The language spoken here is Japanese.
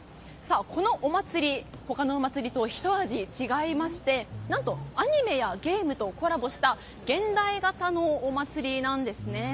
このお祭り、他のお祭りとひと味違いまして何とアニメやゲームとコラボした現代型のお祭りなんですね。